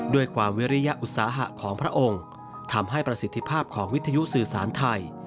ด้วยความวิริยอุตสาหะของพระองค์ทำให้ประสิทธิภาพของวิทยุสื่อสารไทย